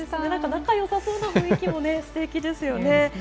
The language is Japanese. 仲よさそうな雰囲気もね、すてきですよね。